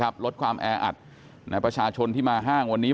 ก็เลยรู้สึกว่าก็ถ้าเราป้องกันตัวเองอะไรอย่างนี้